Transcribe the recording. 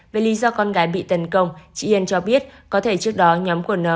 về lý do con gái bị tấn công chị yên cho biết có thể trước đó nhóm của n